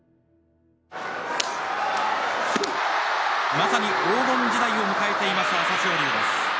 まさに黄金時代を迎えています朝青龍です。